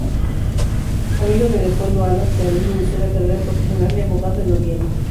Amigo de Leopoldo Alas "Clarín", inició la carrera profesional de abogado en Oviedo.